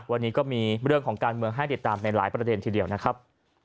วันนี้ก็มีเรื่องของการเมืองให้ติดตามในหลายประเด็นทีเดียวนะครับ